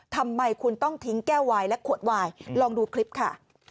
ทำไมคุณต้องทิ้งแก้ววายและขวดวายลองดูคลิปค่ะ